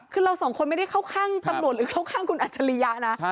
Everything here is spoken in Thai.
คือเราสองคนไม่ได้เข้าข้างตำรวจหรือเข้าข้างคุณอัจฉริยะนะ